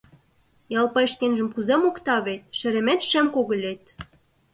Ялпай шкенжым кузе мокта вет, шеремет-шем когылет: